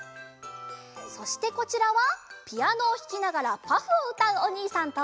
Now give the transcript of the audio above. そしてこちらはピアノをひきながら「パフ」をうたうおにいさんと。